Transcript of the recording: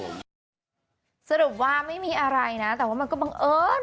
สรุปว่าไม่มีอะไรนะ